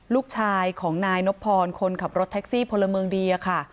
ลูกชายของนายนบพรคนขับรถแท็กซี่พลเมืองดีค่ะ